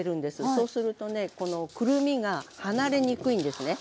そうするとねこのくるみが離れにくいんですね。